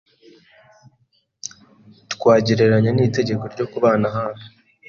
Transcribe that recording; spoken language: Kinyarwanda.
twagereranya n’itegeko ryo kubana hafi,